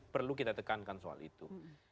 perlu kita tekankan soal itu